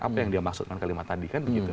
apa yang dia maksudkan kalimat tadi